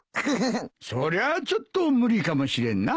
そりゃあちょっと無理かもしれんな。